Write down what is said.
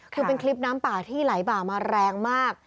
คือเป็นคลิปน้ำป่าที่ไหลบ่ามาแรงมาก